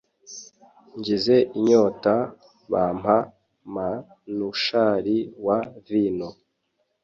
ngize inyota bampa mnushari wa vino.